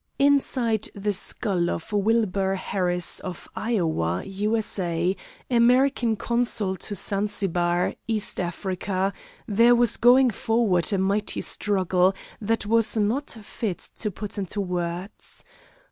Inside the skull of Wilbur Harris, of Iowa, U. S. A., American consul to Zanzibar, East Africa, there was going forward a mighty struggle that was not fit to put into words.